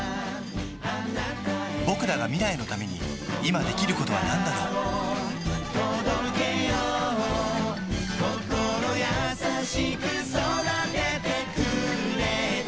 ぼくらが未来のために今できることはなんだろう心優しく育ててくれた